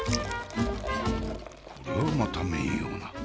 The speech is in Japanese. これはまた面妖な。